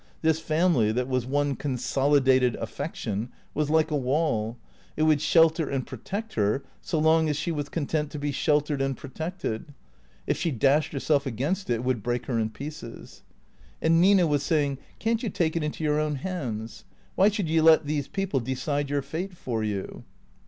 This family, that was one consolidated affection, was like a wall, it would shelter and protect her so long as she was content to be sheltered and protected ; if she dashed herself against it it would break her in pieces. And Nina was saying, " Can't you take it into your own hands? Why should you let these people decide your fate for you